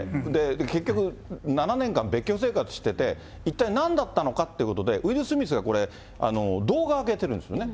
結局、７年間別居生活してて、一体なんだったのかということで、ウィル・スミスが動画を上げてるんですよね。